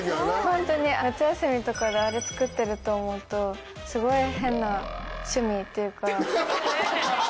ホントに夏休みとかであれ作ってると思うとすごい変な趣味っていうか。